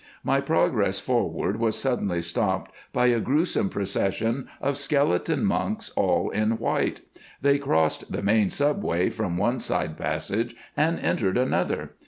My progress forward was suddenly stopped by a gruesome procession of skeleton monks all in white. They crossed the main sub way from one side passage and entered another.